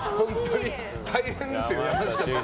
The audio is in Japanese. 大変ですよ、山下さん。